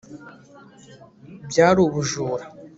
byari ubujura